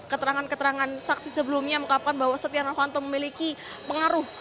keterangan keterangan saksi sebelumnya mengungkapkan bahwa setia novanto memiliki pengaruh